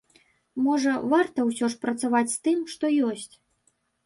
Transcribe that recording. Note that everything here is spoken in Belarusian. Можа, варта ўсё ж працаваць з тым, што ёсць?